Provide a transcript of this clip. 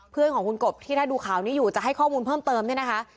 เพื่อนของคุณกบที่ถ้าดูข่าวนี้อยู่จะให้ข้อมูลเพิ่มเติมเนี่ยนะคะ